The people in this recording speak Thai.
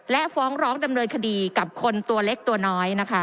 และฟ้องร้องดำเนินคดีกับคนตัวเล็กตัวน้อยนะคะ